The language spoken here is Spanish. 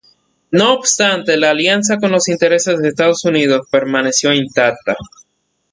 No obstante la alianza con los intereses de Estados Unidos permaneció intacta.